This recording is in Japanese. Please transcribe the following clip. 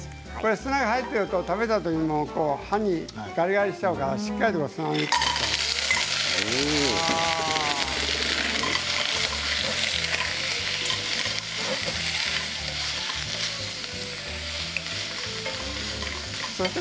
砂が入っていると食べたときに歯にガリガリしちゃうからしっかりと砂抜きして。